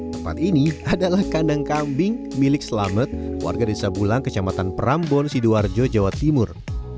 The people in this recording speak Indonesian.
tempat ini adalah kandang kambing milik selamet warga desa bulang kecamatan prambon sidoarjo jawa timur